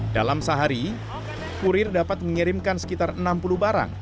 dalam sehari kurir dapat mengirimkan sekitar enam puluh barang